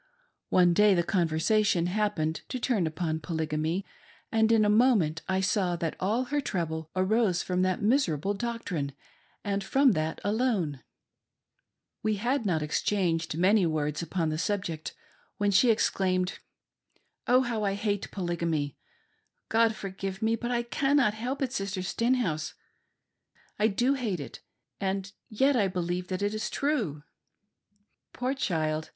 . One day the conversation happened to turn upon Polygamy, and in a moment I saw that all her trouble arose from that miserable doctrine, and from that alone. We had not ex changed many words upon the subject when she exclaimed :" Oh, how I hate Polygamy ! God forgive me ; but I cannot help it, Sistfer Stenhouse ! I do hate it ; and yet I believe that it is, true." . Poor child